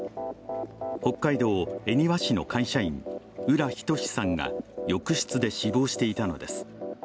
北海道恵庭市の会社員浦仁志さんが浴室で死亡していたのです。